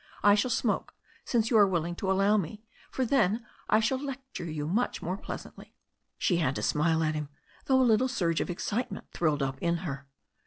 I shall smoke, since you are willing to allow me, for then I shall lecture you much more pleasantly." She had to smile at him, though a little surge of excite ment thrilled up in her.